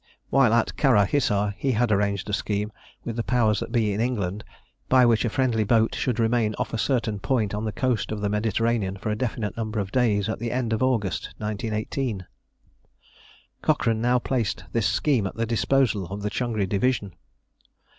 While at Kara Hissar, he had arranged a scheme with the powers that be in England by which a friendly boat should remain off a certain point on the coast of the Mediterranean for a definite number of days at the end of August 1918. Cochrane now placed this scheme at the disposal of the Changri division.